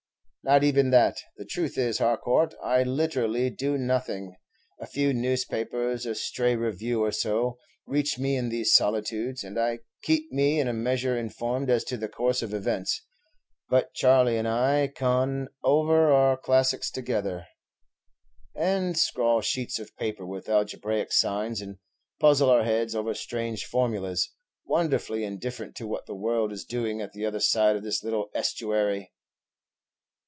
"Not even that; the truth is, Harcourt, I literally do nothing. A few newspapers, a stray review or so, reach me in these solitudes, and keep me in a measure informed as to the course of events; but Charley and I con over our classics together, and scrawl sheets of paper with algebraic signs, and puzzle our heads over strange formulas, wonderfully indifferent to what the world is doing at the other side of this little estuary."